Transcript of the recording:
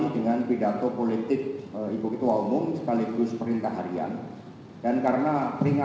dengan keluar negeri di filipina